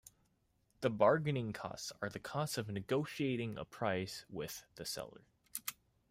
The bargaining costs are the costs of negotiating a price with the seller.